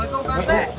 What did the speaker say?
assalamualaikum pak rete